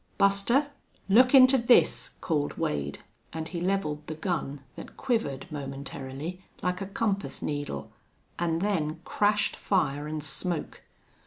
"Buster, look into this!" called Wade, and he leveled the gun that quivered momentarily, like a compass needle, and then crashed fire and smoke.